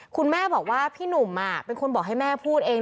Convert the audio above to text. คุณแม่บอกว่าพี่หนุ่มเป็นคนบอกให้แม่พูดเอง